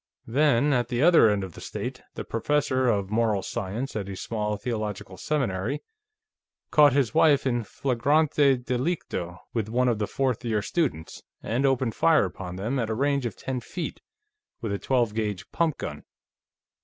Then, at the other end of the state, the professor of Moral Science at a small theological seminary caught his wife in flagrante delicto with one of the fourth year students and opened fire upon them, at a range of ten feet, with a 12 gauge pump gun.